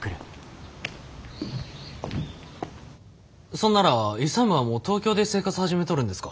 そんなら勇はもう東京で生活始めとるんですか？